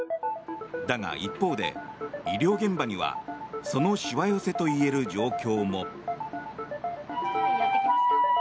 だが一方で、医療現場にはそのしわ寄せといえる状況も。